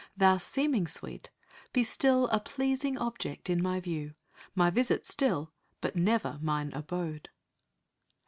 thou seeming sweet, Be still a pleasing object in my view; My visit still, but never mine abode."